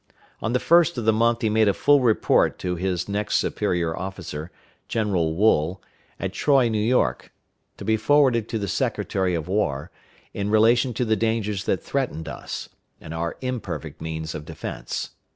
On the 1st of the month he made a full report to his next superior officer, General Wool, at Troy, New York, to be forwarded to the Secretary of War, in relation to the dangers that threatened us, and our imperfect means of defense.